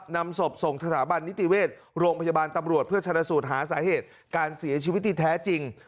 นำศพส่งสถาบันนิติเวชโรงพยาบาลตำรวจเพื่อชนะสูตรหาสาเหตุการเสียชีวิตที่แท้จริง